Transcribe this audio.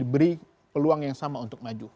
beri peluang yang sama untuk maju